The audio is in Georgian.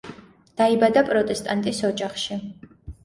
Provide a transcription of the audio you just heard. დაიბადა პროტესტანტის ოჯახში.